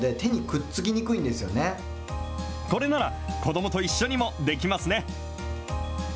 これなら子どもと一緒にもできますね。